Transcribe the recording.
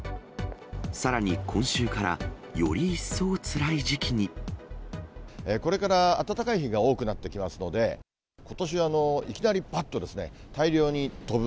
さらに今週から、これから暖かい日が多くなってきますので、ことしはいきなりばっと、大量に飛ぶ。